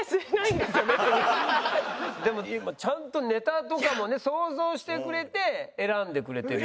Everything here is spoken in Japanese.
でもちゃんとネタとかもね想像してくれて選んでくれてる。